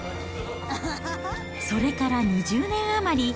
それから２０年余り。